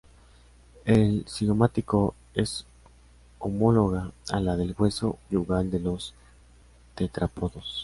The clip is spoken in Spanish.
El cigomático es homóloga a la del hueso yugal de los tetrápodos.